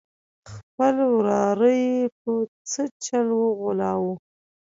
خپل وراره یې په څه چل وغولاوه.